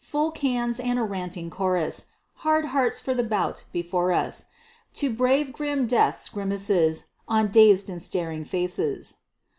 Full cans and a ranting chorus; Hard hearts for the bout before us To brave grim Death's grimaces On dazed and staring faces.